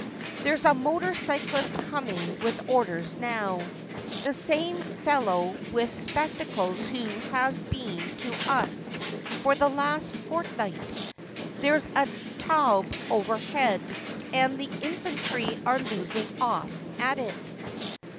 There's a motor cyclist coming with orders now : the same fellow with spectacles who has been to us for the last fortnight. There's a Taube overhead, and the infantry are loosing off at it.